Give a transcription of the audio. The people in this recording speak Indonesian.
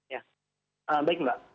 ya baik mbak